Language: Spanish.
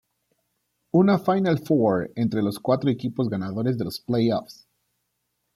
Una Final Four entre los cuatro equipos ganadores de los Play-Offs.